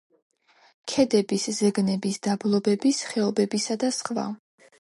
ქედების, ზეგნების, დაბლობების, ხეობებისა და სხვა.